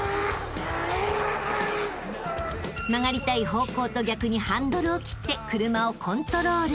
［曲がりたい方向と逆にハンドルを切って車をコントロール］